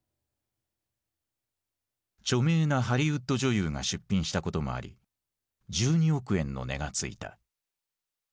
著名なハリウッド女優が出品したこともあり１２億円の値が付いた。